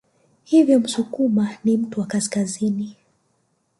Hivyo Msukuma ni mtu wa Kaskazini